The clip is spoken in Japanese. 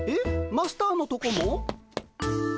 マスターのとこも？